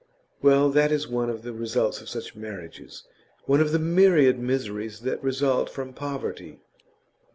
Well, that is one of the results of such marriages, one of the myriad miseries that result from poverty.